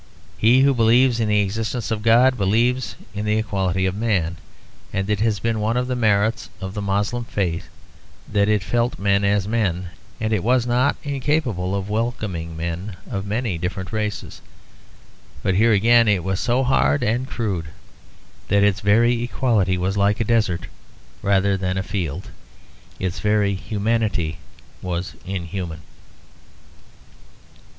He who believes in the existence of God believes in the equality of man. And it has been one of the merits of the Moslem faith that it felt men as men, and was not incapable of welcoming men of many different races. But here again it was so hard and crude that its very equality was like a desert rather than a field. Its very humanity was inhuman.